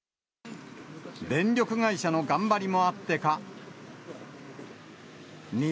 電力会社の頑張りもあってか。